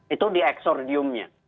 itu di eksoriumnya